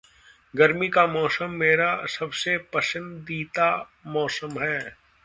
गर्मी का मौसम मेरा सबसे पसंदीता मौसम है।